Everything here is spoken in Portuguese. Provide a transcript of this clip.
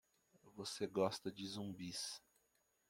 Você gosta de zumbis.